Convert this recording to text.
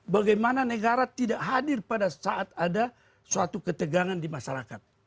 bagaimana negara tidak hadir pada saat ada suatu ketegangan di masyarakat